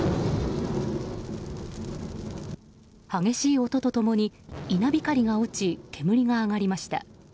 激しい音と共に稲光が落ち煙が上がりました。